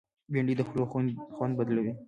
بېنډۍ د خولو خوند بدلوي